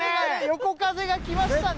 横風がきましたね。